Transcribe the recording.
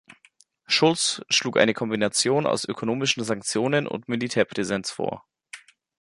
Shultz schlug eine Kombination aus ökonomischen Sanktionen und Militärpräsenz vor.